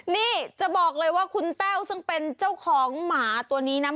นี่จะบอกเลยว่าคุณแต้วซึ่งเป็นเจ้าของหมาตัวนี้นะ